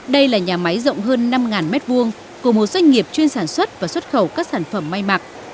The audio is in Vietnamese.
đây là nhà máy rộng hơn năm m hai của một doanh nghiệp chuyên sản xuất và xuất khẩu các sản phẩm may mặc